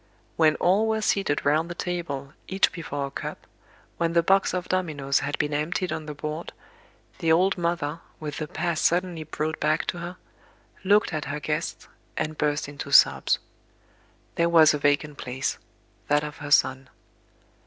When all were seated round the table, each before a cup, when the box of dominoes had been emptied on the board, the old mother, with the past suddenly brought back to her, looked at her guests, and burst into sobs. There was a vacant place, that of her son.